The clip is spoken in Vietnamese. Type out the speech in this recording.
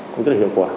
cũng rất hiệu quả